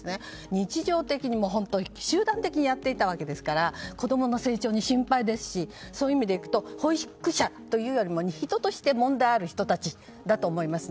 日常的に、習慣的にやっていたわけですから子供の成長が心配ですしそういう意味でいくと保育者というより人として問題がある人たちだと思います。